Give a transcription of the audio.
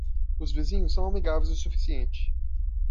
Os vizinhos são amigáveis o suficiente.